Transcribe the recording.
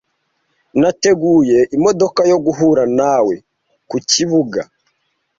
Nateguye imodoka yo guhura nawe kukibuga